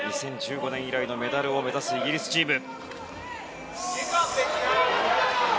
２０１５年以来のメダルを目指すイギリスチーム。